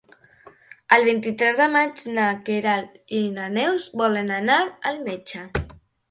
El vint-i-tres de maig na Queralt i na Neus volen anar al metge.